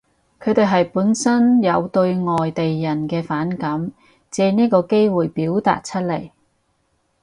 佢哋係，本身有對外地人嘅反感，借呢個機會表達出嚟